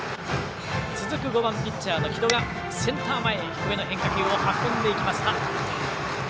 続く５番ピッチャーの城戸がセンター前へ低めの変化球を運んでいきました。